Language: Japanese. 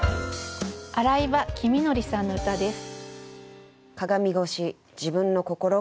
新井場公徳さんの歌です。